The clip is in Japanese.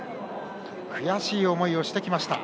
悔しい思いをしてきました。